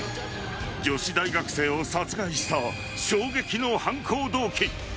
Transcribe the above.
女子大学生を殺害した衝撃の犯行動機。